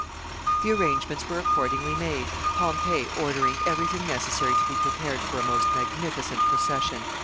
] The arrangements were accordingly made Pompey ordering every thing necessary to be prepared for a most magnificent procession.